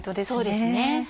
そうですね。